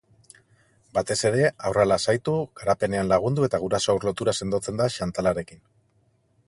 Batez ere haurra lasaitu, garapenean lagundu eta guraso-haur lotura sendotzen da shantalarekin.